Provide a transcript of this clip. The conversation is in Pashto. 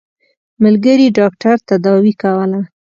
ملګري ډاکټر تداوي کوله.